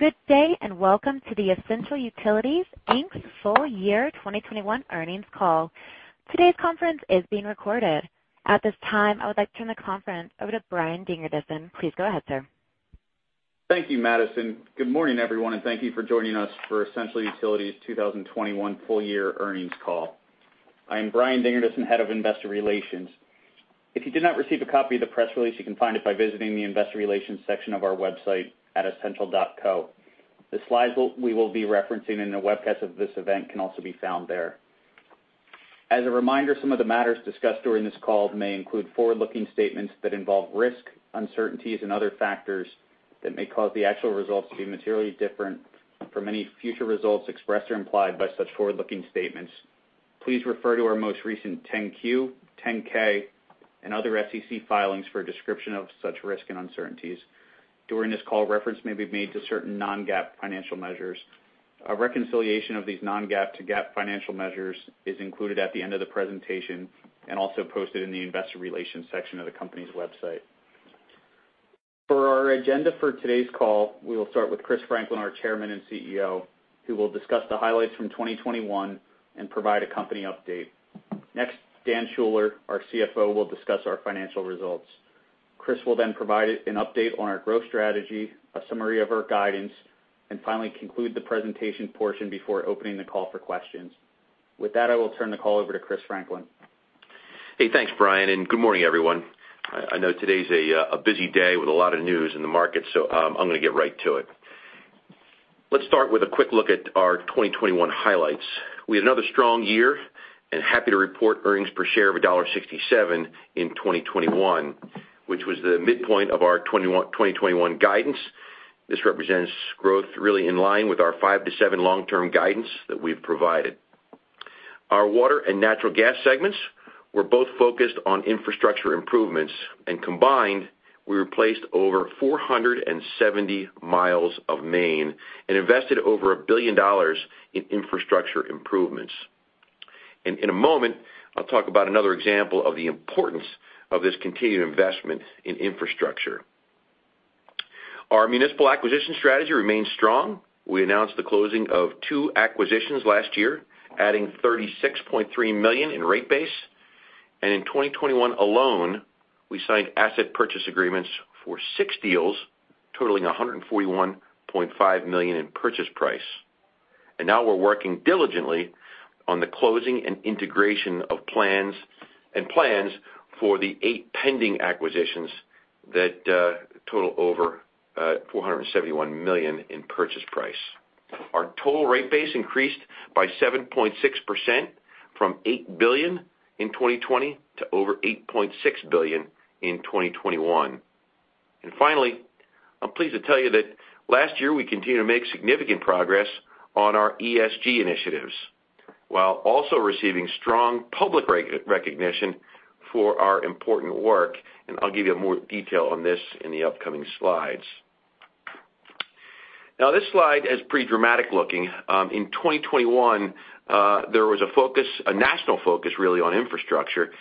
Good day, and welcome to the Essential Utilities, Inc's Full Year 2021 Earnings Call. Today's conference is being recorded. At this time, I would like to turn the conference over to Brian Dingerdissen. Please go ahead, sir. Thank you, Madison. Good morning, everyone, and thank you for joining us for Essential Utilities 2021 full year earnings call. I'm Brian Dingerdissen, head of investor relations. If you did not receive a copy of the press release, you can find it by visiting the investor relations section of our website at essential.co. The slides we will be referencing in the webcast of this event can also be found there. As a reminder, some of the matters discussed during this call may include forward-looking statements that involve risk, uncertainties, and other factors that may cause the actual results to be materially different from any future results expressed or implied by such forward-looking statements. Please refer to our most recent 10-Q, 10-K and other SEC filings for a description of such risk and uncertainties. During this call, reference may be made to certain non-GAAP financial measures. A reconciliation of these non-GAAP to GAAP financial measures is included at the end of the presentation and also posted in the investor relations section of the company's website. For our agenda for today's call, we will start with Chris Franklin, our Chairman and CEO, who will discuss the highlights from 2021 and provide a company update. Next, Dan Schuller, our CFO, will discuss our financial results. Chris will then provide an update on our growth strategy, a summary of our guidance, and finally conclude the presentation portion before opening the call for questions. With that, I will turn the call over to Chris Franklin. Hey, thanks, Brian, and good morning, everyone. I know today's a busy day with a lot of news in the market, so I'm gonna get right to it. Let's start with a quick look at our 2021 highlights. We had another strong year and happy to report earnings per share of $1.67 in 2021, which was the midpoint of our 2021 guidance. This represents growth really in line with our 5%-7% long-term guidance that we've provided. Our water and natural gas segments were both focused on infrastructure improvements, and combined, we replaced over 470 mi of main and invested over $1 billion in infrastructure improvements. In a moment, I'll talk about another example of the importance of this continued investment in infrastructure. Our municipal acquisition strategy remains strong. We announced the closing of two acquisitions last year, adding $36.3 million in rate base. In 2021 alone, we signed asset purchase agreements for six deals, totaling $141.5 million in purchase price. Now we're working diligently on the closing and integration of plans for the eight pending acquisitions that total over $471 million in purchase price. Our total rate base increased by 7.6% from $8 billion in 2020 to over $8.6 billion in 2021. Finally, I'm pleased to tell you that last year we continued to make significant progress on our ESG initiatives, while also receiving strong public recognition for our important work, and I'll give you more detail on this in the upcoming slides. Now this slide is pretty dramatic looking. In 2021, there was a focus, a national focus, really, on infrastructure.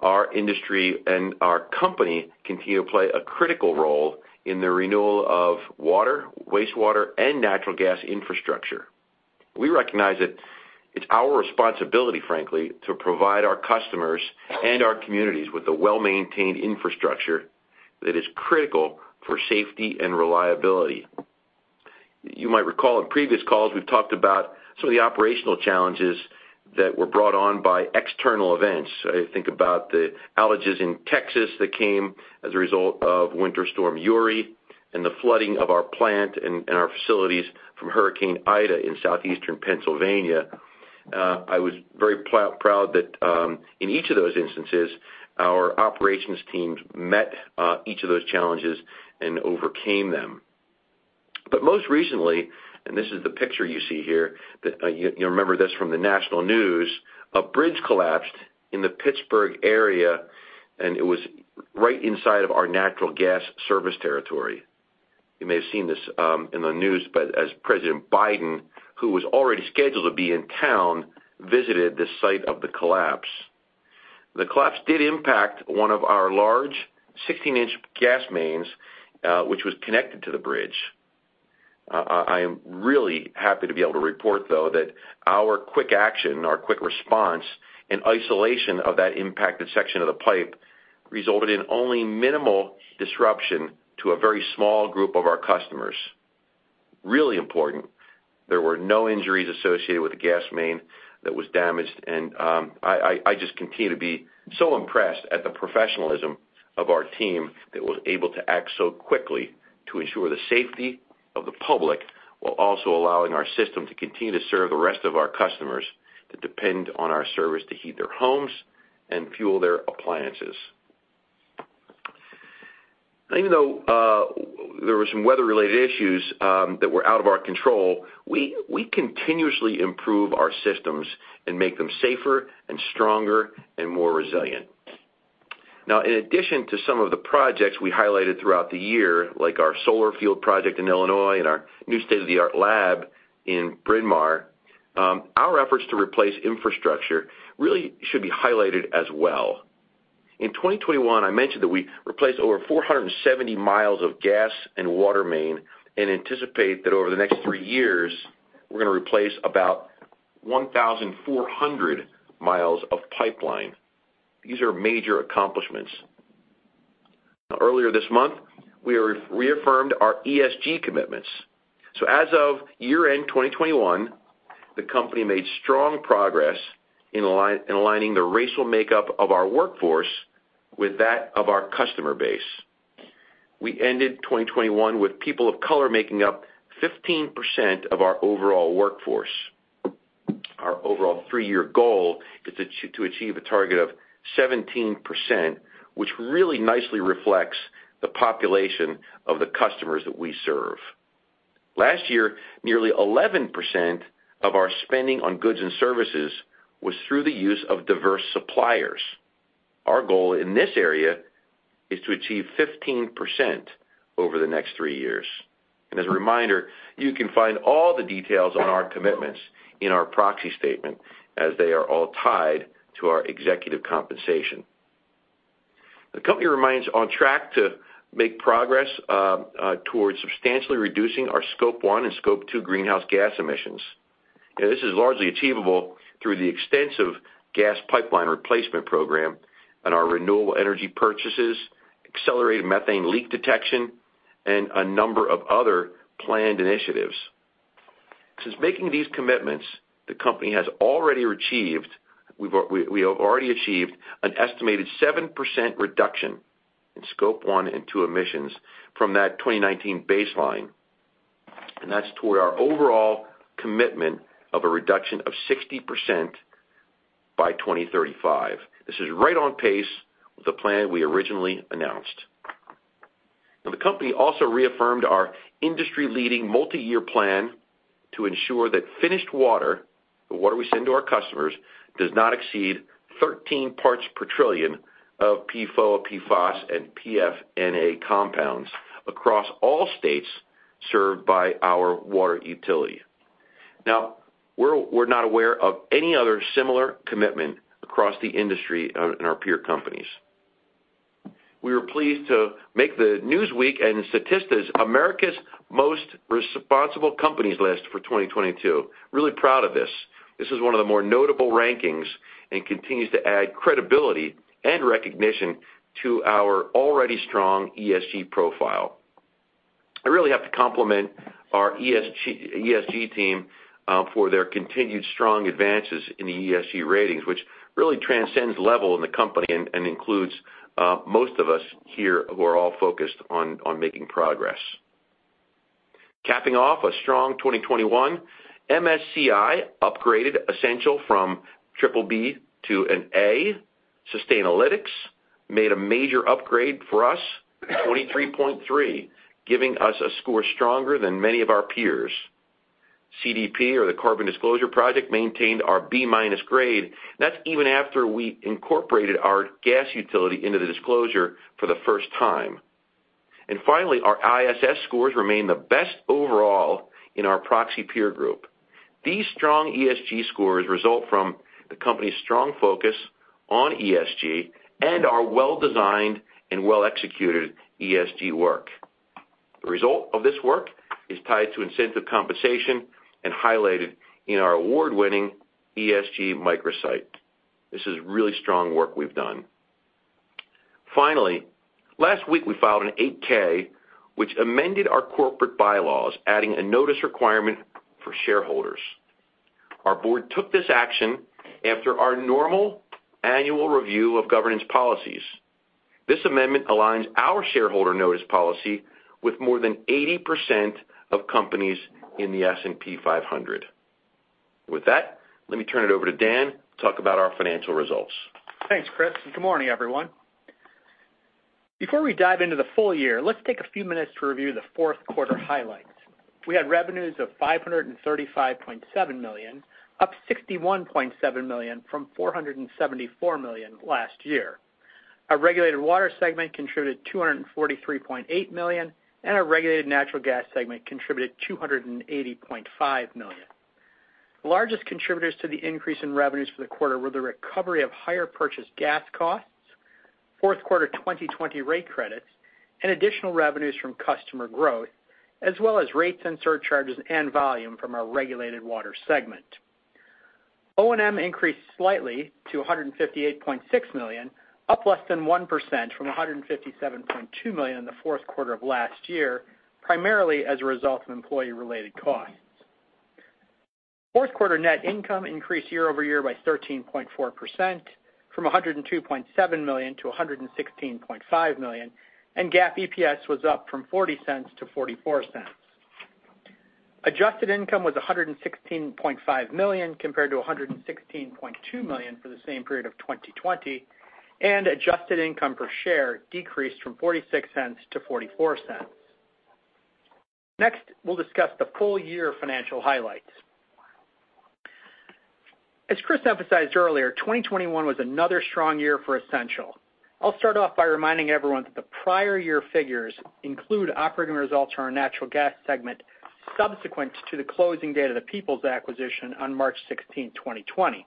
Our industry and our company continue to play a critical role in the renewal of water, wastewater, and natural gas infrastructure. We recognize that it's our responsibility, frankly, to provide our customers and our communities with a well-maintained infrastructure that is critical for safety and reliability. You might recall in previous calls, we've talked about some of the operational challenges that were brought on by external events. I think about the outages in Texas that came as a result of Winter Storm Uri and the flooding of our plant and our facilities from Hurricane Ida in southeastern Pennsylvania. I was very proud that in each of those instances, our operations teams met each of those challenges and overcame them. Most recently, and this is the picture you see here, you remember this from the national news, a bridge collapsed in the Pittsburgh area, and it was right inside of our natural gas service territory. You may have seen this in the news, but as President Biden, who was already scheduled to be in town, visited the site of the collapse. The collapse did impact one of our large 16 in gas mains, which was connected to the bridge. I am really happy to be able to report, though, that our quick action, our quick response and isolation of that impacted section of the pipe resulted in only minimal disruption to a very small group of our customers. Really important, there were no injuries associated with the gas main that was damaged, and I just continue to be so impressed at the professionalism of our team that was able to act so quickly to ensure the safety of the public while also allowing our system to continue to serve the rest of our customers that depend on our service to heat their homes and fuel their appliances. Even though there were some weather-related issues that were out of our control, we continuously improve our systems and make them safer and stronger and more resilient. Now, in addition to some of the projects we highlighted throughout the year, like our solar field project in Illinois and our new state-of-the-art lab in Bryn Mawr, our efforts to replace infrastructure really should be highlighted as well. In 2021, I mentioned that we replaced over 470 mi of gas and water main and anticipate that over the next three years, we're gonna replace about 1,400 mi of pipeline. These are major accomplishments. Now, earlier this month, we reaffirmed our ESG commitments. As of year-end 2021, the company made strong progress in aligning the racial makeup of our workforce with that of our customer base. We ended 2021 with people of color making up 15% of our overall workforce. Our overall three-year goal is to achieve a target of 17%, which really nicely reflects the population of the customers that we serve. Last year, nearly 11% of our spending on goods and services was through the use of diverse suppliers. Our goal in this area is to achieve 15% over the next three years. As a reminder, you can find all the details on our commitments in our proxy statement, as they are all tied to our executive compensation. The company remains on track to make progress towards substantially reducing our Scope 1 and Scope 2 greenhouse gas emissions. This is largely achievable through the extensive gas pipeline replacement program and our renewable energy purchases, accelerated methane leak detection, and a number of other planned initiatives. Since making these commitments, the company has already achieved—we have already achieved an estimated 7% reduction in Scope 1 and 2 emissions from that 2019 baseline, and that's toward our overall commitment of a reduction of 60% by 2035. This is right on pace with the plan we originally announced. Now the company also reaffirmed our industry-leading multi-year plan to ensure that finished water, the water we send to our customers, does not exceed 13 parts per trillion of PFOA, PFOS, and PFNA compounds across all states served by our water utility. Now, we're not aware of any other similar commitment across the industry or in our peer companies. We were pleased to make the Newsweek and Statista's America's Most Responsible Companies list for 2022. Really proud of this. This is one of the more notable rankings and continues to add credibility and recognition to our already strong ESG profile. I really have to compliment our ESG team for their continued strong advances in the ESG ratings, which really transcends level in the company and includes most of us here who are all focused on making progress. Capping off a strong 2021, MSCI upgraded Essential from BBB to an A. Sustainalytics made a major upgrade for us, 23.3, giving us a score stronger than many of our peers. CDP, or the Carbon Disclosure Project, maintained our B- grade. That's even after we incorporated our gas utility into the disclosure for the first time. Finally, our ISS scores remain the best overall in our proxy peer group. These strong ESG scores result from the company's strong focus on ESG and our well-designed and well-executed ESG work. The result of this work is tied to incentive compensation and highlighted in our award-winning ESG microsite. This is really strong work we've done. Finally, last week, we filed an 8-K, which amended our corporate bylaws, adding a notice requirement for shareholders. Our Board took this action after our normal annual review of governance policies. This amendment aligns our shareholder notice policy with more than 80% of companies in the S&P 500. With that, let me turn it over to Dan to talk about our financial results. Thanks, Chris, and good morning, everyone. Before we dive into the full year, let's take a few minutes to review the fourth quarter highlights. We had revenues of $535.7 million, up $61.7 million from $474 million last year. Our regulated water segment contributed $243.8 million, and our regulated natural gas segment contributed $280.5 million. The largest contributors to the increase in revenues for the quarter were the recovery of higher purchase gas costs, fourth quarter 2020 rate credits, and additional revenues from customer growth, as well as rates and surcharges and volume from our regulated water segment. O&M increased slightly to $158.6 million, up less than 1% from $157.2 million in the fourth quarter of last year, primarily as a result of employee-related costs. Fourth quarter net income increased year-over-year by 13.4%, from $102.7 million to $116.5 million, and GAAP EPS was up from $0.40 to $0.44. Adjusted income was $116.5 million, compared to $116.2 million for the same period of 2020, and adjusted income per share decreased from $0.46 to $0.44. Next, we'll discuss the full year financial highlights. As Chris emphasized earlier, 2021 was another strong year for Essential. I'll start off by reminding everyone that the prior year figures include operating results from our natural gas segment. Subsequent to the closing date of the Peoples acquisition on March 16, 2020.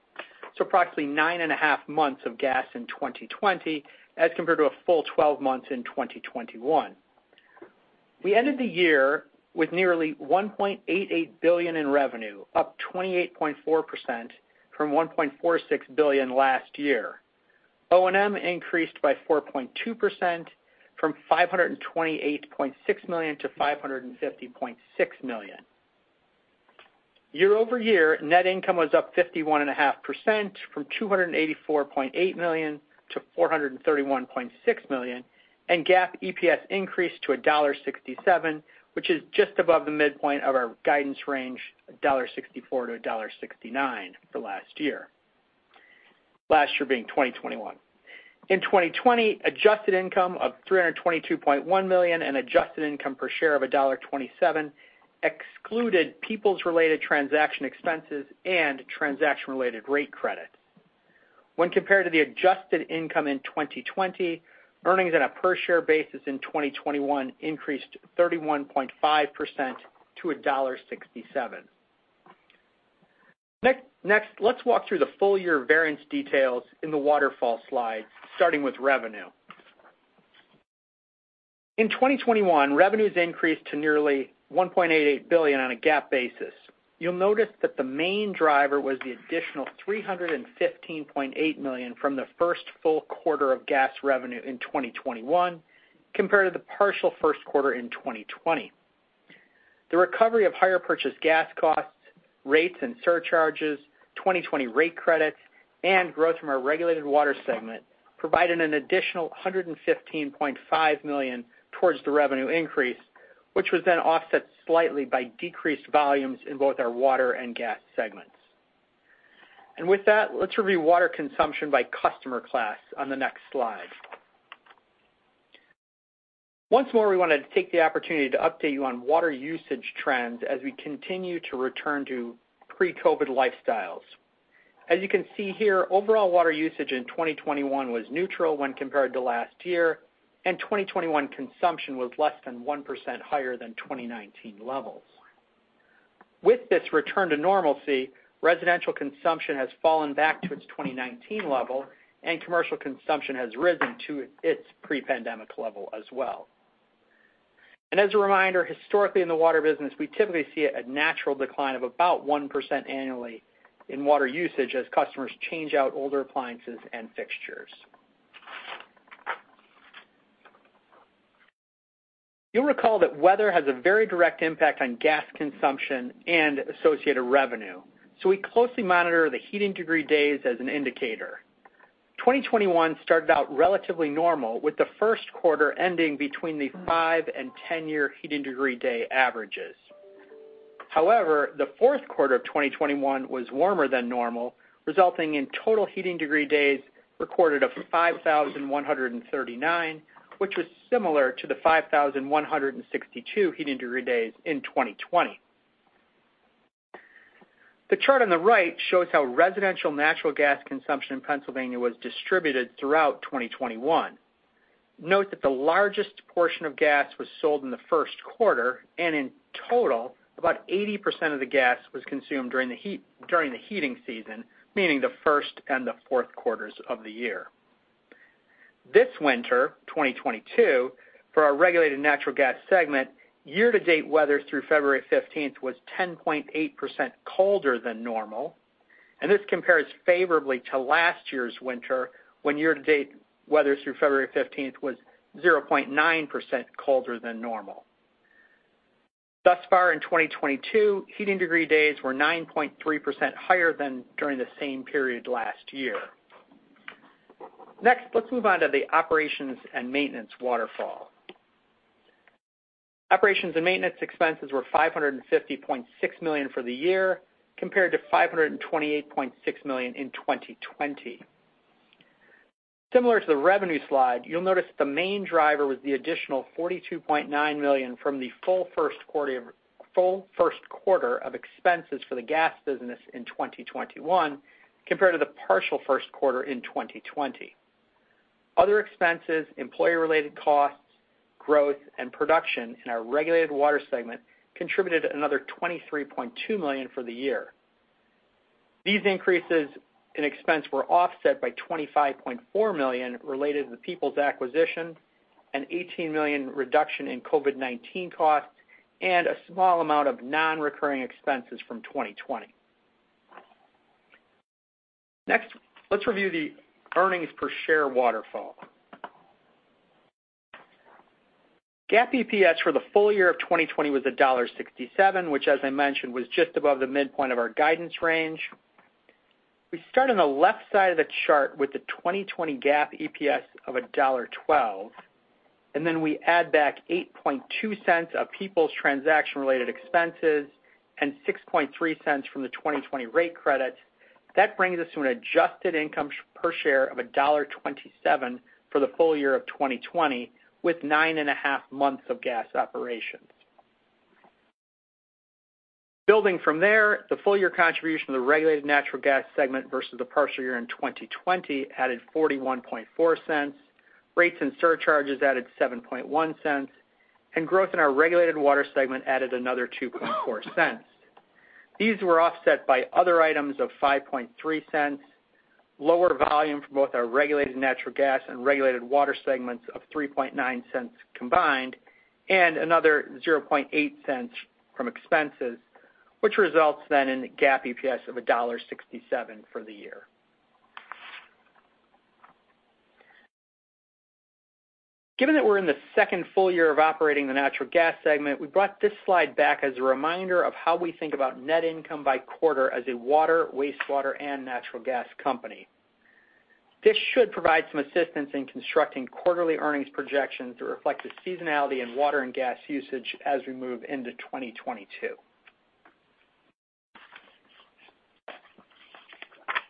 Approximately 9.5 months of gas in 2020 as compared to a full 12 months in 2021. We ended the year with nearly $1.88 billion in revenue, up 28.4% from $1.46 billion last year. O&M increased by 4.2% from $528.6 million to $550.6 million. Year-over-year net income was up 51.5% from $284.8 million to $431.6 million. GAAP EPS increased to $1.67, which is just above the midpoint of our guidance range of $1.64-$1.69 for last year. Last year being 2021. In 2020, adjusted income of $322.1 million and adjusted income per share of $1.27 excluded Peoples related transaction expenses and transaction-related rate credits. When compared to the adjusted income in 2020, earnings on a per share basis in 2021 increased 31.5% to $1.67. Next, let's walk through the full year variance details in the waterfall slide, starting with revenue. In 2021 revenues increased to nearly $1.88 billion on a GAAP basis. You'll notice that the main driver was the additional $315.8 million from the first full quarter of gas revenue in 2021 compared to the partial first quarter in 2020. The recovery of higher purchase gas costs, rates and surcharges, 2020 rate credits, and growth from our regulated water segment provided an additional $115.5 million towards the revenue increase, which was then offset slightly by decreased volumes in both our water and gas segments. With that, let's review water consumption by customer class on the next slide. Once more, we wanted to take the opportunity to update you on water usage trends as we continue to return to pre-COVID lifestyles. As you can see here, overall water usage in 2021 was neutral when compared to last year, and 2021 consumption was less than 1% higher than 2019 levels. With this return to normalcy, residential consumption has fallen back to its 2019 level, and commercial consumption has risen to its pre-pandemic level as well. As a reminder, historically in the water business, we typically see a natural decline of about 1% annually in water usage as customers change out older appliances and fixtures. You'll recall that weather has a very direct impact on gas consumption and associated revenue, so we closely monitor the heating degree days as an indicator. 2021 started out relatively normal, with the first quarter ending between the five and 10-year heating degree day averages. However, the fourth quarter of 2021 was warmer than normal, resulting in total heating degree days recorded of 5,139, which was similar to the 5,162 heating degree days in 2020. The chart on the right shows how residential natural gas consumption in Pennsylvania was distributed throughout 2021. Note that the largest portion of gas was sold in the first quarter, and in total, about 80% of the gas was consumed during the heating season, meaning the first and the fourth quarters of the year. This winter, 2022, for our regulated natural gas segment, year-to-date weather through February 15th was 10.8% colder than normal. This compares favorably to last year's winter when year to date weather through February 15th was 0.9% colder than normal. Thus far in 2022, heating degree days were 9.3% higher than during the same period last year. Next, let's move on to the operations and maintenance waterfall. Operations and maintenance expenses were $550.6 million for the year, compared to $528.6 million in 2020. Similar to the revenue slide, you'll notice the main driver was the additional $42.9 million from the full first quarter of expenses for the gas business in 2021 compared to the partial first quarter in 2020. Other expenses, employee-related costs, growth, and production in our regulated water segment contributed another $23.2 million for the year. These increases in expense were offset by $25.4 million related to the Peoples acquisition, an $18 million reduction in COVID-19 costs, and a small amount of non-recurring expenses from 2020. Next, let's review the earnings per share waterfall. GAAP EPS for the full year of 2020 was $1.67, which as I mentioned, was just above the midpoint of our guidance range. We start on the left side of the chart with the 2020 GAAP EPS of $1.12, and then we add back $0.082 of Peoples transaction-related expenses and $0.063 from the 2020 rate credits. That brings us to an adjusted income per share of $1.27 for the full year of 2020 with 9.5 months of gas operations. Building from there, the full year contribution of the regulated natural gas segment versus the partial year in 2020 added $0.414. Rates and surcharges added $0.071, and growth in our regulated water segment added another $0.024. These were offset by other items of $0.053, lower volume from both our regulated natural gas and regulated water segments of $0.039 combined, and another $0.008 from expenses, which results then in the GAAP EPS of $1.67 for the year. Given that we're in the second full year of operating the natural gas segment, we brought this slide back as a reminder of how we think about net income by quarter as a water, wastewater, and natural gas company. This should provide some assistance in constructing quarterly earnings projections to reflect the seasonality in water and gas usage as we move into 2022.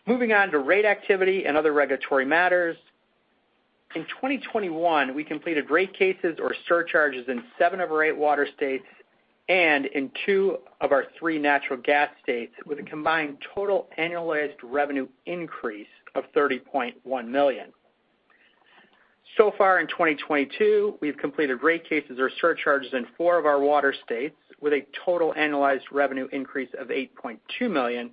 Moving on to rate activity and other regulatory matters. In 2021, we completed rate cases or surcharges in seven of our eight water states and in two of our three natural gas states, with a combined total annualized revenue increase of $30.1 million. So far in 2022, we've completed rate cases or surcharges in four of our water states with a total annualized revenue increase of $8.2 million,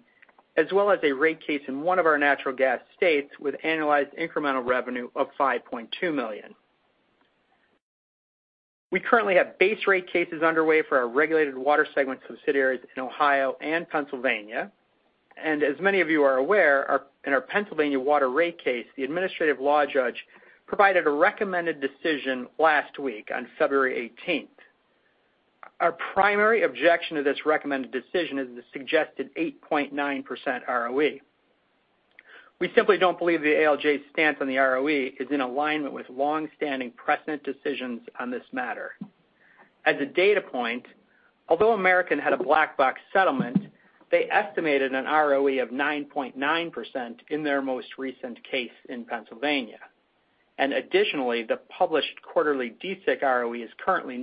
as well as a rate case in one of our natural gas states with annualized incremental revenue of $5.2 million. We currently have base rate cases underway for our regulated water segment subsidiaries in Ohio and Pennsylvania. As many of you are aware, in our Pennsylvania water rate case, the administrative law judge provided a recommended decision last week on February 18th. Our primary objection to this recommended decision is the suggested 8.9% ROE. We simply don't believe the ALJ's stance on the ROE is in alignment with long-standing precedent decisions on this matter. As a data point, although American had a black box settlement, they estimated an ROE of 9.9% in their most recent case in Pennsylvania. Additionally, the published quarterly DSIC ROE is currently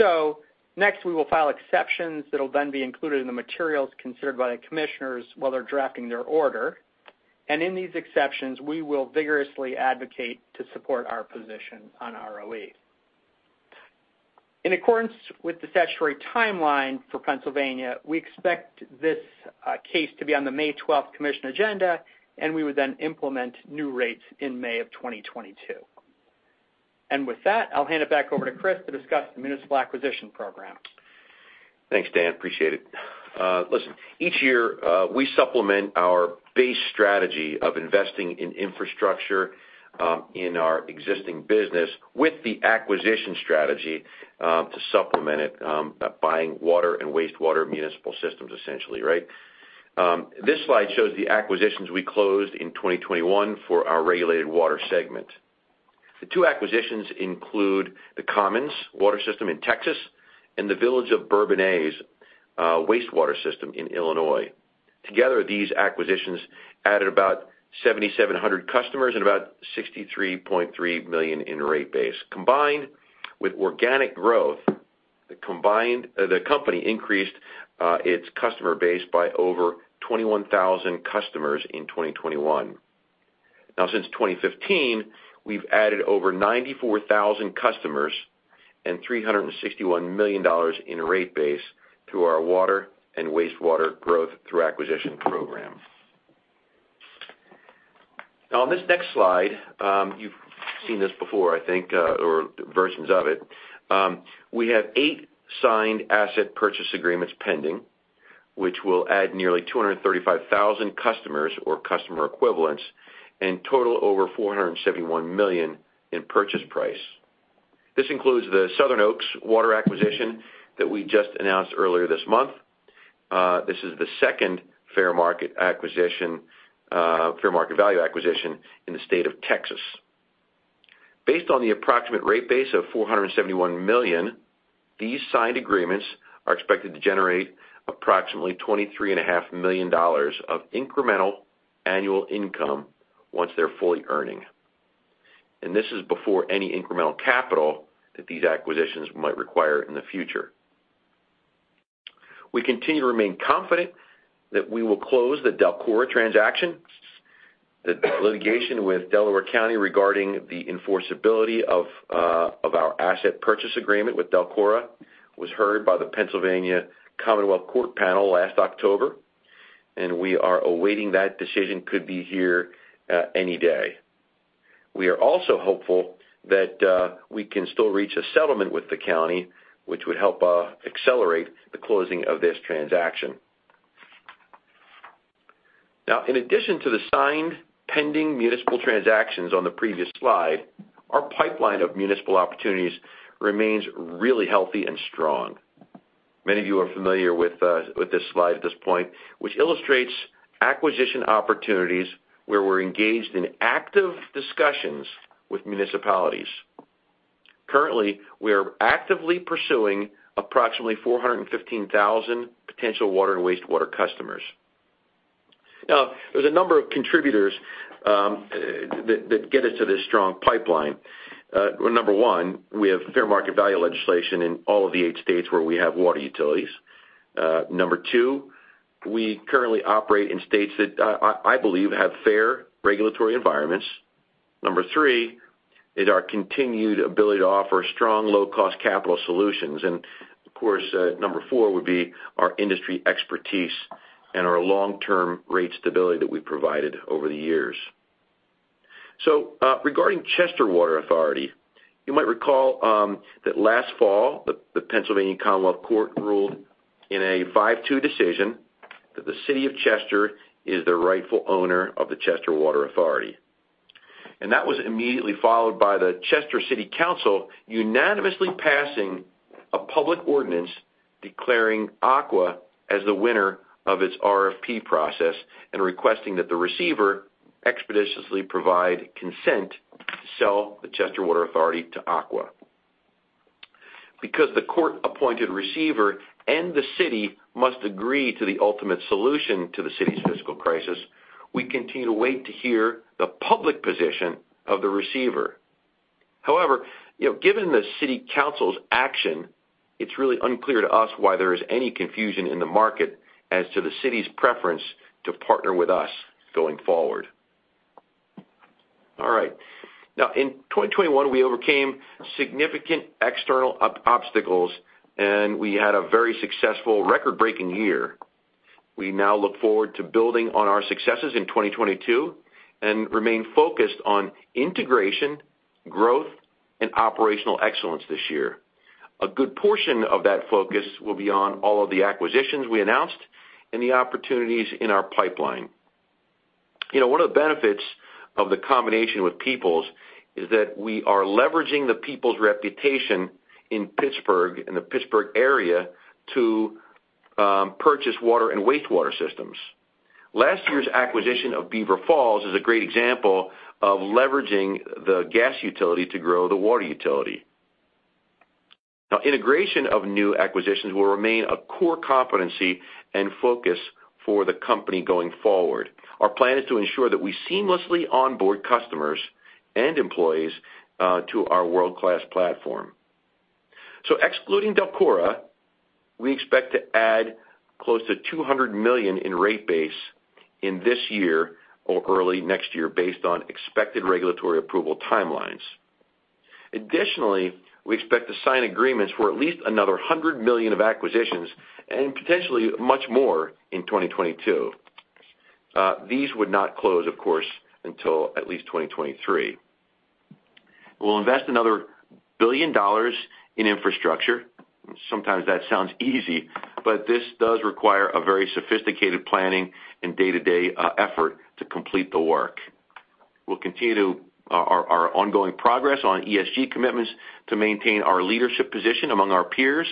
9.8%. Next, we will file exceptions that'll then be included in the materials considered by the commissioners while they're drafting their order. In these exceptions, we will vigorously advocate to support our position on ROE. In accordance with the statutory timeline for Pennsylvania, we expect this case to be on the May 12th commission agenda, and we would then implement new rates in May 2022. With that, I'll hand it back over to Chris to discuss the municipal acquisition program. Thanks, Dan. Appreciate it. Listen, each year, we supplement our base strategy of investing in infrastructure in our existing business with the acquisition strategy to supplement it by buying water and wastewater municipal systems, essentially, right? This slide shows the acquisitions we closed in 2021 for our regulated water segment. The two acquisitions include the Commons Water System in Texas and the Village of Bourbonnais Wastewater System in Illinois. Together, these acquisitions added about 7,700 customers and about $63.3 million in rate base. Combined with organic growth, the company increased its customer base by over 21,000 customers in 2021. Now since 2015, we've added over 94,000 customers and $361 million in rate base through our water and wastewater growth through acquisition program. Now on this next slide, you've seen this before, I think, or versions of it. We have eight signed asset purchase agreements pending, which will add nearly 235,000 customers or customer equivalents and total over $471 million in purchase price. This includes the Southern Oaks Water acquisition that we just announced earlier this month. This is the second fair market value acquisition in the state of Texas. Based on the approximate rate base of $471 million, these signed agreements are expected to generate approximately $23.5 million of incremental annual income once they're fully earning. This is before any incremental capital that these acquisitions might require in the future. We continue to remain confident that we will close the DELCORA transaction. The litigation with Delaware County regarding the enforceability of our asset purchase agreement with DELCORA was heard by the Pennsylvania Commonwealth Court panel last October, and we are awaiting that decision, it could be here any day. We are also hopeful that we can still reach a settlement with the county, which would help accelerate the closing of this transaction. Now in addition to the signed pending municipal transactions on the previous slide, our pipeline of municipal opportunities remains really healthy and strong. Many of you are familiar with this slide at this point, which illustrates acquisition opportunities where we're engaged in active discussions with municipalities. Currently, we are actively pursuing approximately 415,000 potential water and wastewater customers. Now, there's a number of contributors that get us to this strong pipeline. Number one, we have fair market value legislation in all of the eight states where we have water utilities. Number two, we currently operate in states that I believe have fair regulatory environments. Number three is our continued ability to offer strong low-cost capital solutions. Of course, number four would be our industry expertise and our long-term rate stability that we've provided over the years. Regarding Chester Water Authority, you might recall that last fall, the Pennsylvania Commonwealth Court ruled in a 5-2 decision that the City of Chester is the rightful owner of the Chester Water Authority. That was immediately followed by the Chester City Council unanimously passing a public ordinance declaring Aqua as the winner of its RFP process and requesting that the receiver expeditiously provide consent to sell the Chester Water Authority to Aqua. Because the court-appointed receiver and the city must agree to the ultimate solution to the city's fiscal crisis, we continue to wait to hear the public position of the receiver. However, you know, given the city council's action, it's really unclear to us why there is any confusion in the market as to the city's preference to partner with us going forward. All right. Now, in 2021, we overcame significant external obstacles, and we had a very successful record-breaking year. We now look forward to building on our successes in 2022 and remain focused on integration, growth, and operational excellence this year. A good portion of that focus will be on all of the acquisitions we announced and the opportunities in our pipeline. You know, one of the benefits of the combination with Peoples is that we are leveraging the Peoples' reputation in Pittsburgh, in the Pittsburgh area to purchase water and wastewater systems. Last year's acquisition of Beaver Falls is a great example of leveraging the gas utility to grow the water utility. Now, integration of new acquisitions will remain a core competency and focus for the company going forward. Our plan is to ensure that we seamlessly onboard customers and employees to our world-class platform. Excluding DELCORA, we expect to add close to $200 million in rate base in this year or early next year based on expected regulatory approval timelines. Additionally, we expect to sign agreements for at least another $100 million of acquisitions and potentially much more in 2022. These would not close, of course, until at least 2023. We'll invest another $1 billion in infrastructure. Sometimes that sounds easy, but this does require a very sophisticated planning and day-to-day effort to complete the work. We'll continue to our ongoing progress on ESG commitments to maintain our leadership position among our peers.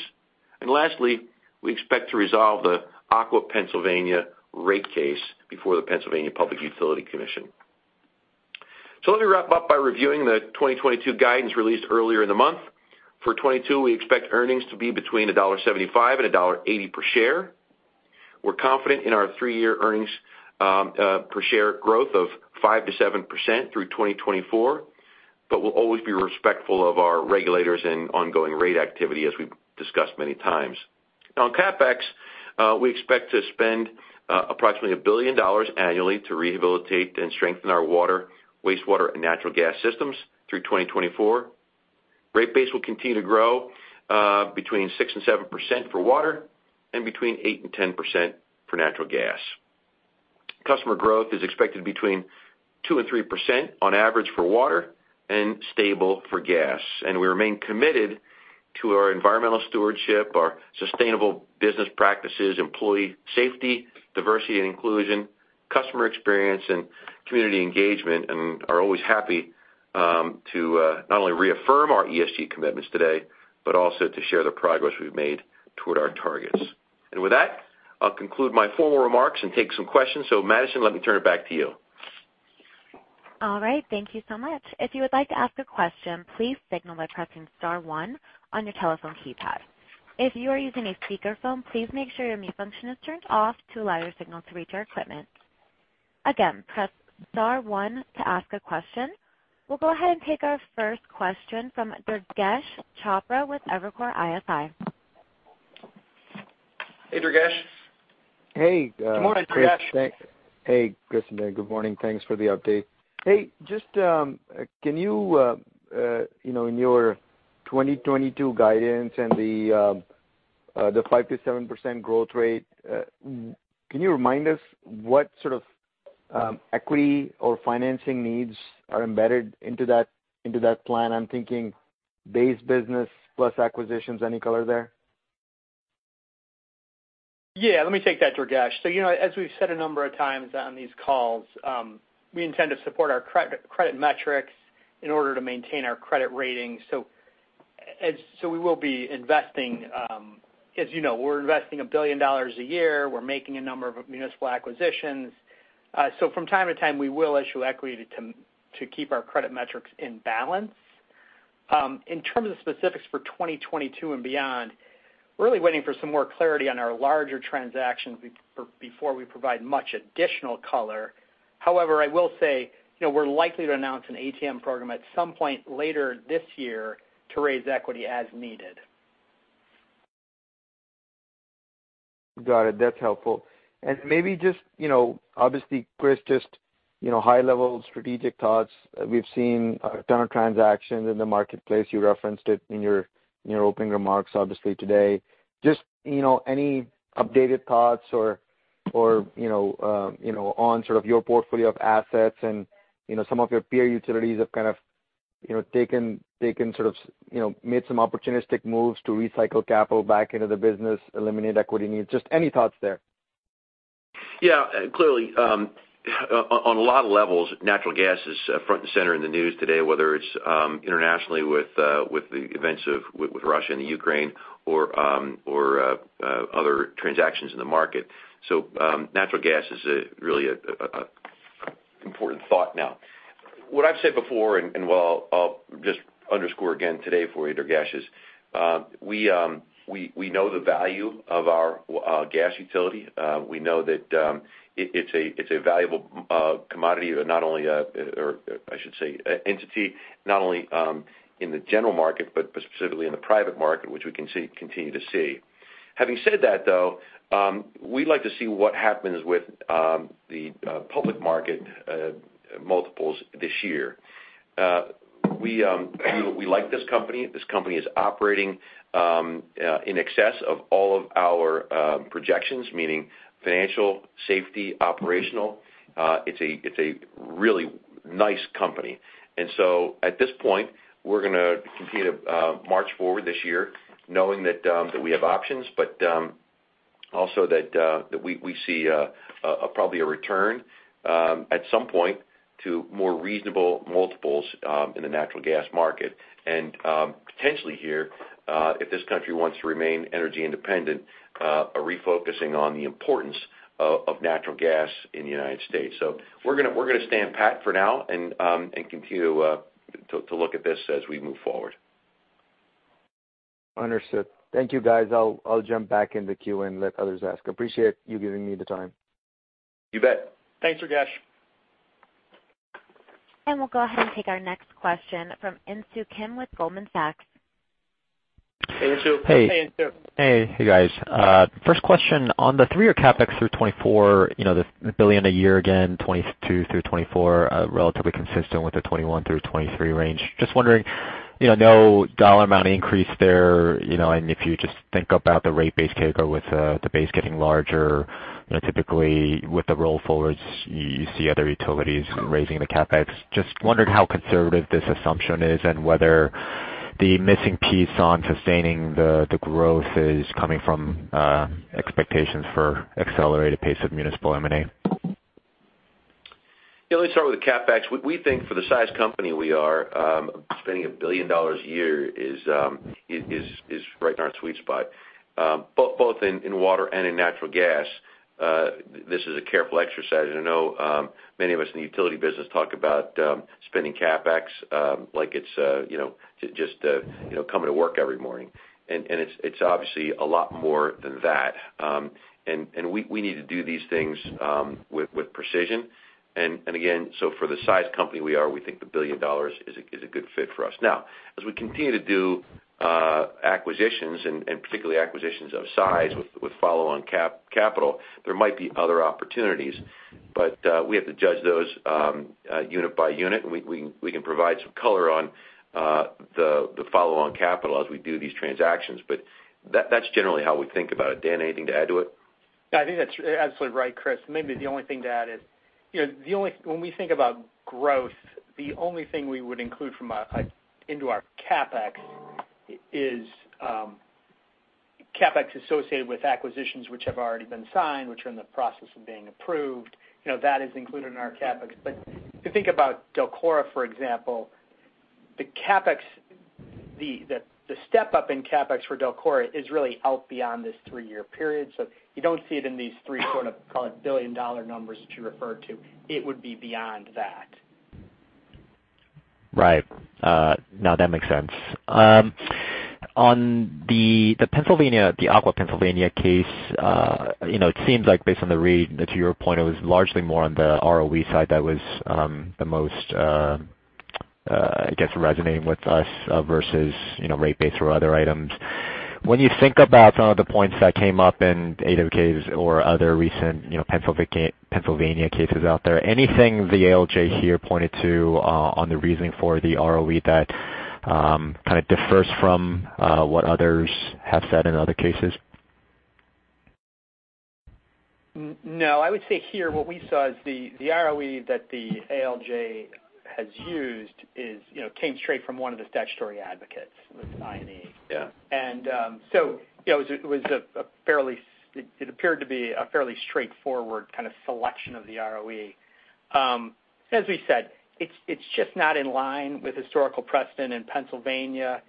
Lastly, we expect to resolve the Aqua Pennsylvania rate case before the Pennsylvania Public Utility Commission. Let me wrap up by reviewing the 2022 guidance released earlier in the month. For 2022, we expect earnings to be between $1.75 and $1.80 per share. We're confident in our three-year earnings per share growth of 5%-7% through 2024, but we'll always be respectful of our regulators and ongoing rate activity, as we've discussed many times. Now on CapEx, we expect to spend approximately $1 billion annually to rehabilitate and strengthen our water, wastewater, and natural gas systems through 2024. Rate base will continue to grow between 6% and 7% for water and between 8% and 10% for natural gas. Customer growth is expected between 2% and 3% on average for water and stable for gas. We remain committed to our environmental stewardship, our sustainable business practices, employee safety, diversity and inclusion, customer experience, and community engagement, and are always happy to not only reaffirm our ESG commitments today, but also to share the progress we've made toward our targets. With that, I'll conclude my formal remarks and take some questions. Madison, let me turn it back to you. All right. Thank you so much. If you would like to ask a question, please signal by pressing star one on your telephone keypad. If you are using a speakerphone, please make sure your mute function is turned off to allow your signal to reach our equipment. Again, press star one to ask a question. We'll go ahead and take our first question from Durgesh Chopra with Evercore ISI. Hey, Durgesh. Hey, Good morning, Durgesh. Hey, Chris. Hey, Chris and Ben. Good morning. Thanks for the update. Hey, just, can you, in your 2022 guidance and the 5%-7% growth rate, can you remind us what sort of equity or financing needs are embedded into that plan? I'm thinking base business plus acquisitions. Any color there? Yeah. Let me take that, Durgesh. You know, as we've said a number of times on these calls, we intend to support our credit metrics in order to maintain our credit rating. We will be investing. As you know, we're investing $1 billion a year. We're making a number of municipal acquisitions. From time to time, we will issue equity to keep our credit metrics in balance. In terms of specifics for 2022 and beyond, we're really waiting for some more clarity on our larger transactions before we provide much additional color. However, I will say, you know, we're likely to announce an ATM program at some point later this year to raise equity as needed. Got it. That's helpful. Maybe just, you know, obviously, Chris, just, you know, high-level strategic thoughts. We've seen a ton of transactions in the marketplace. You referenced it in your opening remarks, obviously, today. Just, you know, any updated thoughts or, you know, on sort of your portfolio of assets and, you know, some of your peer utilities have kind of, you know, taken sort of, you know, made some opportunistic moves to recycle capital back into the business, eliminate equity needs. Just any thoughts there? Yeah. Clearly, on a lot of levels, natural gas is front and center in the news today, whether it's internationally with the events with Russia and the Ukraine or other transactions in the market. Natural gas is really an important thought now. What I've said before, and what I'll just underscore again today for you, Durgesh, is we know the value of our gas utility. We know that it's a valuable commodity that not only, or I should say, entity, not only in the general market, but specifically in the private market, which we can continue to see. Having said that, though, we'd like to see what happens with the public market multiples this year. We like this company. This company is operating in excess of all of our projections, meaning financial, safety, operational. It's a really nice company. At this point, we're gonna continue to march forward this year knowing that we have options, but also that we see probably a return at some point to more reasonable multiples in the natural gas market. Potentially here, if this country wants to remain energy independent, a refocusing on the importance of natural gas in the United States. We're gonna stand pat for now and continue to look at this as we move forward. Understood. Thank you, guys. I'll jump back in the queue and let others ask. Appreciate you giving me the time. You bet. Thanks, Durgesh. We'll go ahead and take our next question from Insoo Kim with Goldman Sachs. Hey, Insoo. Hey, Insoo. Hey. Hey, guys. First question on the three-year CapEx through 2024, you know, the $1 billion a year, again, 2022 through 2024, relatively consistent with the 2021 through 2023 range. Just wondering, you know, no dollar amount increase there, you know, and if you just think about the rate base takeover with the base getting larger, you know, typically with the roll forwards, you see other utilities raising the CapEx. Just wondering how conservative this assumption is and whether the missing piece on sustaining the growth is coming from expectations for accelerated pace of municipal M&A. Yeah. Let me start with the CapEx. We think for the size company we are, spending $1 billion a year is right in our sweet spot. Both in water and in natural gas, this is a careful exercise. I know many of us in the utility business talk about spending CapEx like it's you know just you know coming to work every morning. It's obviously a lot more than that. We need to do these things with precision. Again, for the size company we are, we think the $1 billion is a good fit for us. Now, as we continue to do acquisitions, and particularly acquisitions of size with follow-on capital, there might be other opportunities. We have to judge those unit by unit, and we can provide some color on the follow on capital as we do these transactions. That's generally how we think about it. Dan, anything to add to it? I think that's absolutely right, Chris. Maybe the only thing to add is, you know, when we think about growth, the only thing we would include into our CapEx is CapEx associated with acquisitions which have already been signed, which are in the process of being approved. You know, that is included in our CapEx. If you think about DELCORA, for example, the CapEx, the step-up in CapEx for DELCORA is really out beyond this three-year period. You don't see it in these three sort of, call it, billion-dollar numbers that you referred to. It would be beyond that. Right. No, that makes sense. On the Pennsylvania, the Aqua Pennsylvania case, you know, it seems like based on the read to your point, it was largely more on the ROE side that was the most, I guess, resonating with us, versus, you know, rate base or other items. When you think about some of the points that came up in AWK or other recent, you know, Pennsylvania cases out there, anything the ALJ here pointed to on the reasoning for the ROE that kind of differs from what others have said in other cases? No, I would say here what we saw is the ROE that the ALJ has used is, you know, came straight from one of the statutory advocates with an I&E. Yeah. You know, it was a fairly straightforward kind of selection of the ROE. As we said, it's just not in line with historical precedent in Pennsylvania.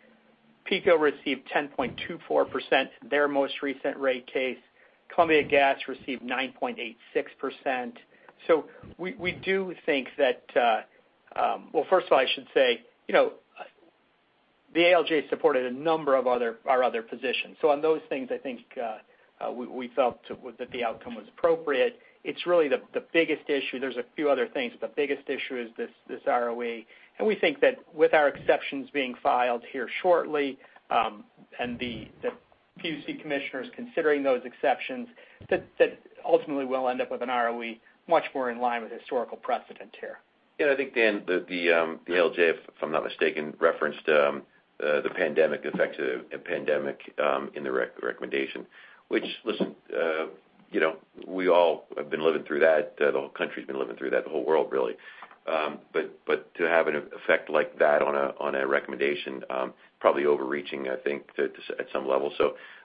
PECO received 10.24% in their most recent rate case. Columbia Gas received 9.86%. We do think that, well, first of all, I should say, you know, the ALJ supported a number of other our other positions. On those things, I think we felt that the outcome was appropriate. It's really the biggest issue. There's a few other things, but the biggest issue is this ROE. We think that with our exceptions being filed here shortly, and the PUC commissioners considering those exceptions, that ultimately we'll end up with an ROE much more in line with historical precedent here. Yeah, I think, Dan, the ALJ, if I'm not mistaken, referenced the pandemic effects of a pandemic in the recommendation. Which, listen, you know, we all have been living through that, the whole country's been living through that, the whole world, really. But to have an effect like that on a recommendation, probably overreaching, I think, at some level.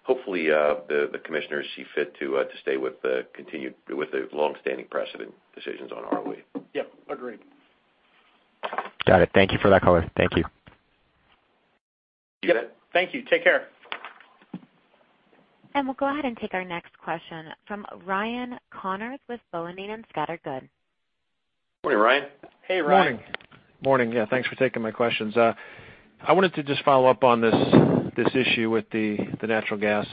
Hopefully, the commissioners see fit to stay with the continued, with the long-standing precedent decisions on ROE. Yeah, agreed. Got it. Thank you for that color. Thank you. You bet. Thank you. Take care. We'll go ahead and take our next question from Ryan Connors with Boenning & Scattergood. Morning, Ryan. Hey, Ryan. Morning. Yeah, thanks for taking my questions. I wanted to just follow up on this issue with the natural gas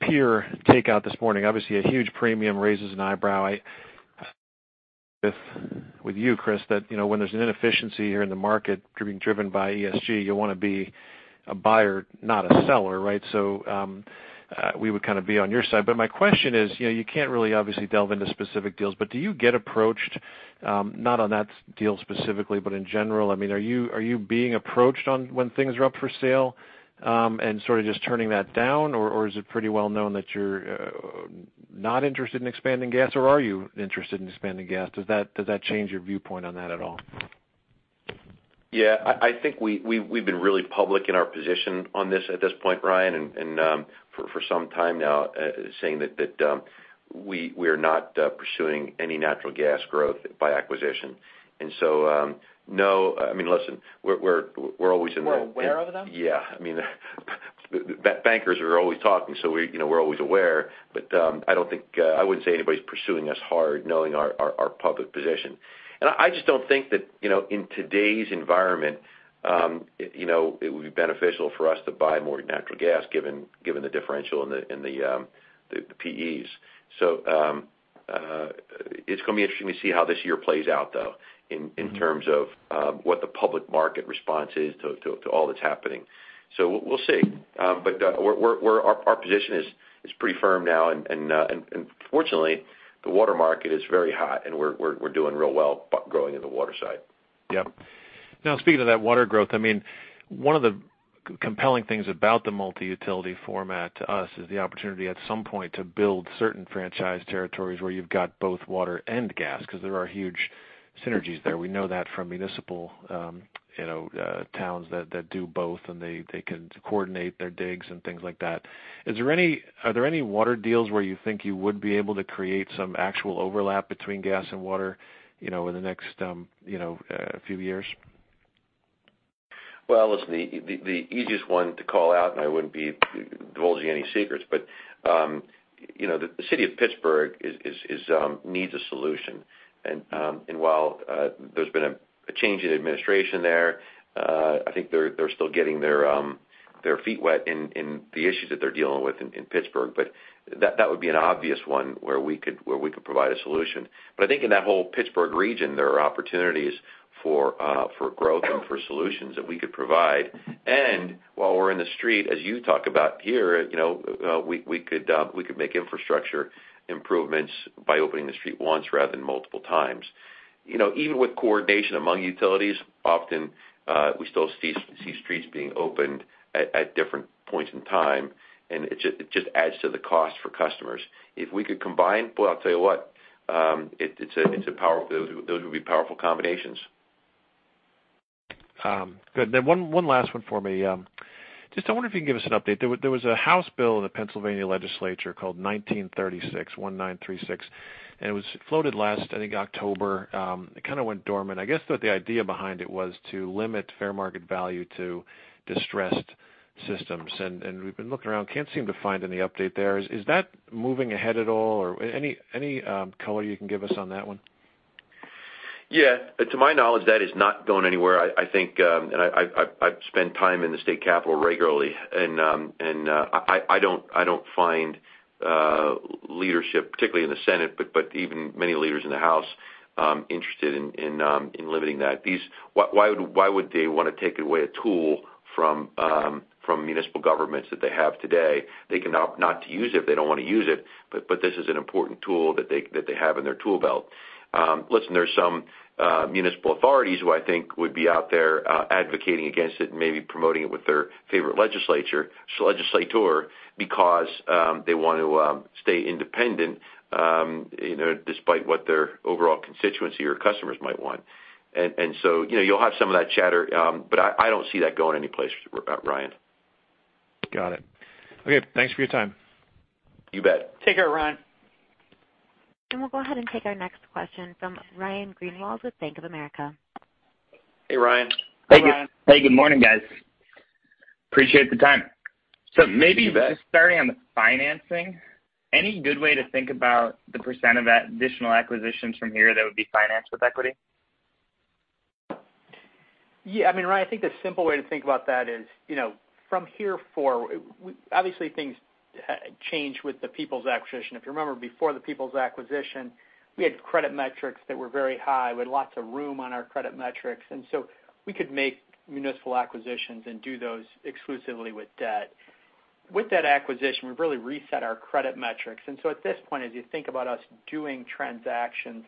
peer takeout this morning. Obviously, a huge premium raises an eyebrow. I'm with you, Chris, that you know, when there's an inefficiency here in the market driven by ESG, you wanna be a buyer, not a seller, right? We would kind of be on your side. But my question is, you know, you can't really obviously delve into specific deals, but do you get approached, not on that deal specifically, but in general, I mean, are you being approached on when things are up for sale, and sort of just turning that down? Or is it pretty well known that you're not interested in expanding gas, or are you interested in expanding gas? Does that change your viewpoint on that at all? Yeah, I think we've been really public in our position on this at this point, Ryan, and for some time now, saying that we're not pursuing any natural gas growth by acquisition. No, I mean, listen, we're always in the- We're aware of them. Yeah. I mean, bankers are always talking, so we, you know, we're always aware. I don't think, I wouldn't say anybody's pursuing us hard knowing our public position. I just don't think that, you know, in today's environment, you know, it would be beneficial for us to buy more natural gas given the differential in the PEs. It's gonna be interesting to see how this year plays out, though, in terms of what the public market response is to all that's happening. We'll see. Our position is pretty firm now. Fortunately, the water market is very hot and we're doing real well growing in the water side. Yep. Now, speaking of that water growth, I mean, one of the compelling things about the multi-utility format to us is the opportunity at some point to build certain franchise territories where you've got both water and gas, 'cause there are huge synergies there. We know that from municipal, you know, towns that do both, and they can coordinate their digs and things like that. Are there any water deals where you think you would be able to create some actual overlap between gas and water, you know, in the next, you know, few years? Well, listen, the easiest one to call out, and I wouldn't be divulging any secrets, but you know, the city of Pittsburgh needs a solution. While there's been a change in administration there, I think they're still getting their feet wet in the issues that they're dealing with in Pittsburgh. That would be an obvious one where we could provide a solution. I think in that whole Pittsburgh region, there are opportunities for growth and for solutions that we could provide. While we're in the street, as you talk about here, you know, we could make infrastructure improvements by opening the street once rather than multiple times. You know, even with coordination among utilities, often, we still see streets being opened at different points in time, and it just adds to the cost for customers. If we could combine, boy, I'll tell you what, those would be powerful combinations. Good. One last one for me. I just wonder if you can give us an update. There was a House Bill in the Pennsylvania legislature called 1936, one nine three six, and it was floated last, I think, October. It kind of went dormant. I guess that the idea behind it was to limit fair market value to distressed systems. We've been looking around, can't seem to find any update there. Is that moving ahead at all? Or any color you can give us on that one? Yeah. To my knowledge, that is not going anywhere. I think, and I spend time in the state capital regularly, and I don't find leadership, particularly in the Senate, but even many leaders in the House, interested in limiting that. Why would they wanna take away a tool from municipal governments that they have today? They can opt not to use it if they don't wanna use it, but this is an important tool that they have in their tool belt. Listen, there are some municipal authorities who I think would be out there advocating against it and maybe promoting it with their favorite legislator, because they want to stay independent, you know, despite what their overall constituency or customers might want. You know, you'll have some of that chatter, but I don't see that going anyplace, Ryan. Got it. Okay, thanks for your time. You bet. Take care, Ryan. We'll go ahead and take our next question from Ryan Greenwald with Bank of America. Hey, Ryan. Hey, Ryan. Hey, good morning, guys. Appreciate the time. Maybe just starting on the financing, any good way to think about the percent of that additional acquisitions from here that would be financed with equity? Yeah. I mean, Ryan, I think the simple way to think about that is, you know, from here forward, obviously things change with the Peoples acquisition. If you remember before the Peoples acquisition, we had credit metrics that were very high. We had lots of room on our credit metrics, and so we could make municipal acquisitions and do those exclusively with debt. With that acquisition, we've really reset our credit metrics. At this point, as you think about us doing transactions,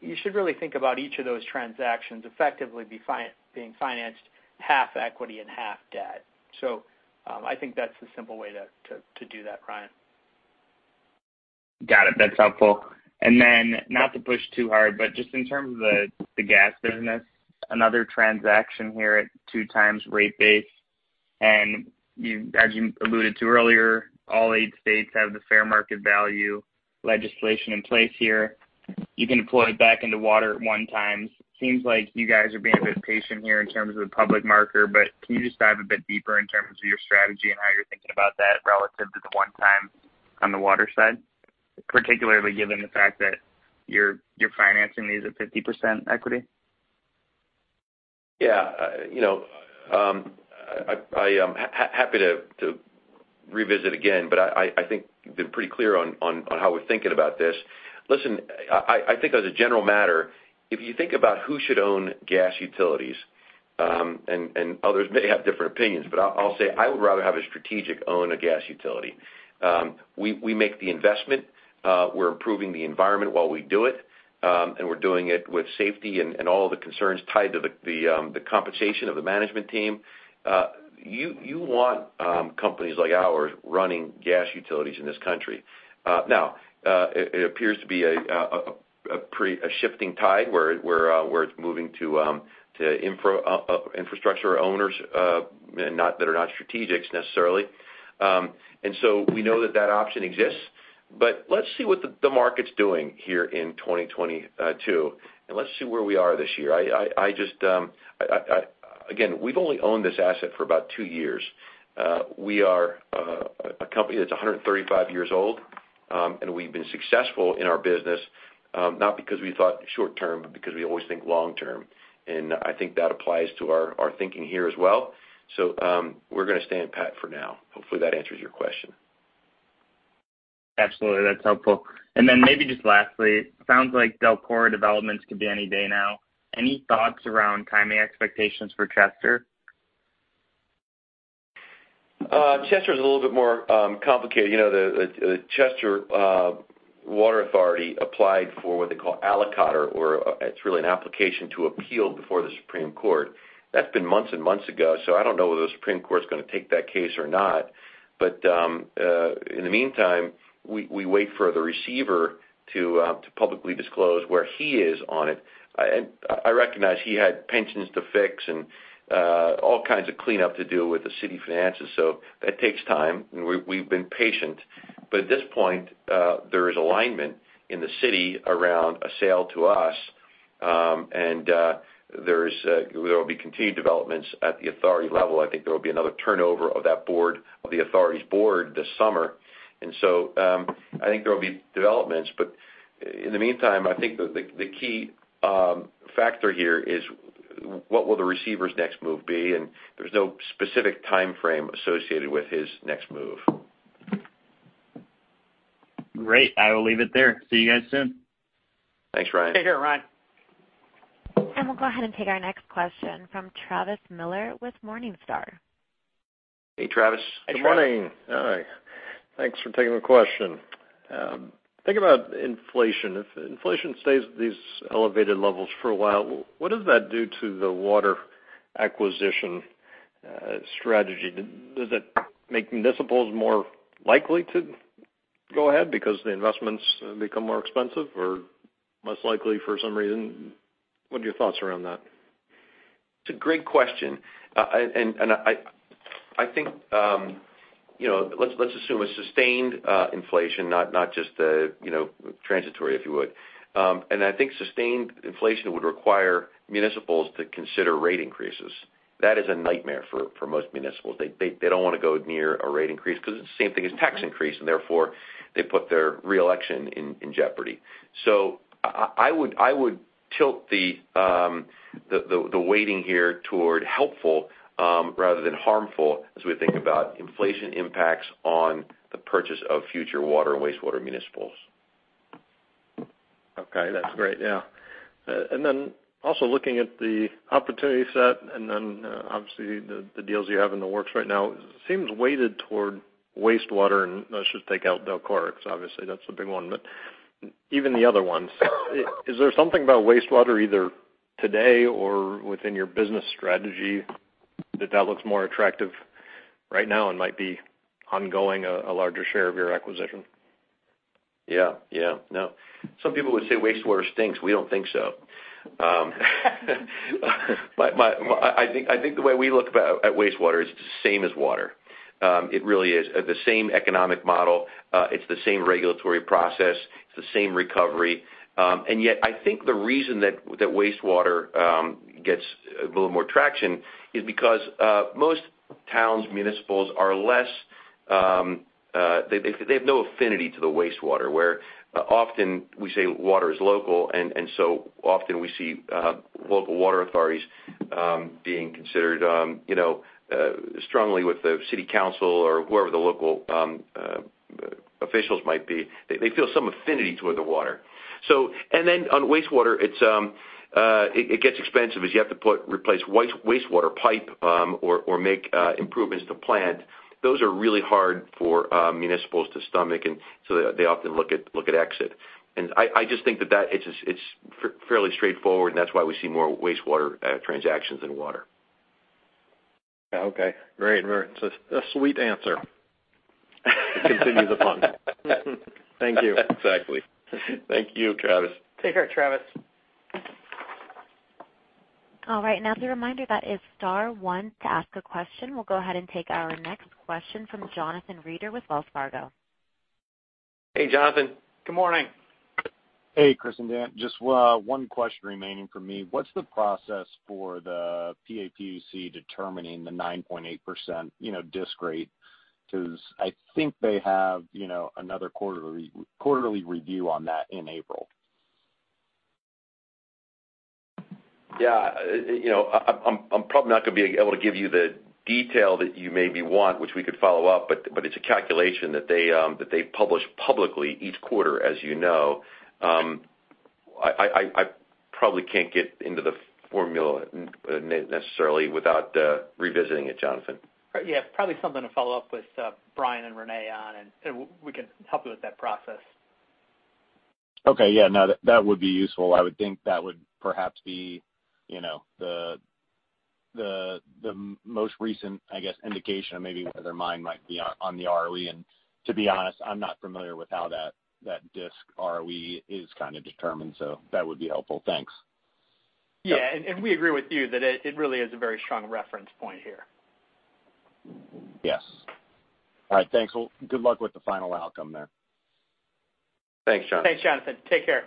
you should really think about each of those transactions effectively being financed half equity and half debt. I think that's the simple way to do that, Ryan. Got it. That's helpful. Not to push too hard, but just in terms of the gas business, another transaction here at 2x rate base, and you, as you alluded to earlier, all eight states have the fair market value legislation in place here. You can deploy back into water at 1x. Seems like you guys are being a bit patient here in terms of the public market, but can you just dive a bit deeper in terms of your strategy and how you're thinking about that relative to the 1x on the water side, particularly given the fact that you're financing these at 50% equity? Yeah. You know, I am happy to revisit again, but I think we've been pretty clear on how we're thinking about this. Listen, I think as a general matter, if you think about who should own gas utilities, and others may have different opinions, but I'll say I would rather have a strategic owner a gas utility. We make the investment, we're improving the environment while we do it, and we're doing it with safety and all the concerns tied to the compensation of the management team. You want companies like ours running gas utilities in this country. Now, it appears to be a shifting tide where it's moving to infrastructure owners that are not strategics necessarily. We know that that option exists. But let's see what the market's doing here in 2022, and let's see where we are this year. I just again, we've only owned this asset for about two years. We are a company that's 135 years old, and we've been successful in our business, not because we thought short term, but because we always think long term, and I think that applies to our thinking here as well. So, we're gonna stand pat for now. Hopefully, that answers your question. Absolutely. That's helpful. Maybe just lastly, sounds like DELCORA developments could be any day now. Any thoughts around timing expectations for Chester? Chester is a little bit more complicated. You know, the Chester Water Authority applied for what they call allocatur, or it's really an application to appeal before the Supreme Court. That's been months and months ago, so I don't know whether the Supreme Court's gonna take that case or not. In the meantime, we wait for the receiver to publicly disclose where he is on it. I recognize he had pensions to fix and all kinds of cleanup to do with the city finances, so that takes time. We've been patient. At this point, there is alignment in the city around a sale to us, and there will be continued developments at the authority level. I think there will be another turnover of that board, of the authority's board this summer. I think there will be developments, but in the meantime, I think the key factor here is what will the receiver's next move be, and there's no specific timeframe associated with his next move. Great. I will leave it there. See you guys soon. Thanks, Ryan. Take care, Ryan. We'll go ahead and take our next question from Travis Miller with Morningstar. Hey, Travis. Hey, Travis. Good morning. Hi. Thanks for taking the question. Thinking about inflation, if inflation stays at these elevated levels for a while, what does that do to the water acquisition strategy? Does it make municipals more likely to go ahead because the investments become more expensive or less likely for some reason? What are your thoughts around that? It's a great question. I think, you know, let's assume a sustained inflation, not just a, you know, transitory, if you would. I think sustained inflation would require municipals to consider rate increases. That is a nightmare for most municipals. They don't wanna go near a rate increase because it's the same thing as tax increase, and therefore they put their reelection in jeopardy. I would tilt the weighting here toward helpful rather than harmful as we think about inflation impacts on the purchase of future water and wastewater municipals. Okay. That's great. Yeah. Then also looking at the opportunity set and then, obviously the deals you have in the works right now, it seems weighted toward wastewater, and let's just take out DELCORA because obviously that's a big one. But even the other ones, is there something about wastewater either today or within your business strategy that looks more attractive right now and might be ongoing a larger share of your acquisition? Yeah, yeah. No. Some people would say wastewater stinks. We don't think so. I think the way we look at wastewater is it's the same as water. It really is. The same economic model, it's the same regulatory process, it's the same recovery. Yet I think the reason that wastewater gets a little more traction is because most towns, municipals are less. They have no affinity to the wastewater, where often we say water is local and so often we see local water authorities being considered, you know, strongly with the city council or whoever the local officials might be. They feel some affinity toward the water. On wastewater, it gets expensive as you have to replace wastewater pipe, or make improvements to plant. Those are really hard for municipals to stomach, and so they often look at exit. I just think that it's fairly straightforward, and that's why we see more wastewater transactions than water. Okay. Great. It's a sweet answer. To continue the pun. Thank you. Exactly. Thank you, Travis. Take care, Travis. All right. Now, the reminder, that is star one to ask a question. We'll go ahead and take our next question from Jonathan Reeder with Wells Fargo. Hey, Jonathan. Good morning. Hey, Chris and Dan. Just one question remaining for me. What's the process for the PAPUC determining the 9.8% DSIC rate? 'Cause I think they have another quarterly review on that in April. Yeah. You know, I'm probably not gonna be able to give you the detail that you maybe want, which we could follow up, but it's a calculation that they publish publicly each quarter, as you know. I probably can't get into the formula necessarily without revisiting it, Jonathan. Yeah, probably something to follow up with Brian and Renee on, and we can help you with that process. Okay. Yeah. No, that would be useful. I would think that would perhaps be, you know, the most recent, I guess, indication of maybe where their mind might be on the ROE. To be honest, I'm not familiar with how that DSIC ROE is kinda determined, so that would be helpful. Thanks. Yeah. We agree with you that it really is a very strong reference point here. Yes. All right. Thanks. Well, good luck with the final outcome there. Thanks, Jonathan. Thanks, Jonathan. Take care.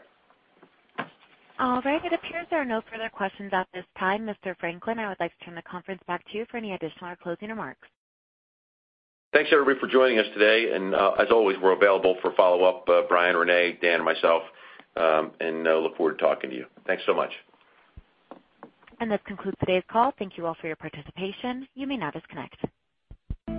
All right. It appears there are no further questions at this time. Mr. Franklin, I would like to turn the conference back to you for any additional or closing remarks. Thanks, everybody, for joining us today. As always, we're available for follow-up, Brian, Renee, Dan, and myself, and look forward to talking to you. Thanks so much. This concludes today's call. Thank you all for your participation. You may now disconnect.